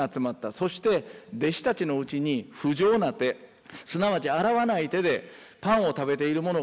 そして弟子たちのうちに不浄な手すなわち洗わない手でパンを食べている者があるのを見た。